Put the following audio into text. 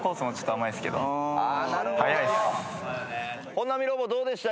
本並ロボどうでした？